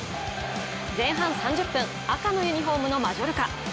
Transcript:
前半３０分、赤のユニフォームのマジョルカ。